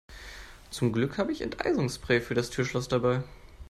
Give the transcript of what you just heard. Zum Glück habe ich Enteisungsspray für das Türschloss dabei.